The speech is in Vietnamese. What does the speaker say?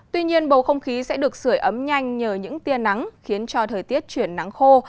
tuy nhiên bầu không khí sẽ được sửa ấm nhanh nhờ những tia nắng khiến cho thời tiết chuyển nắng khô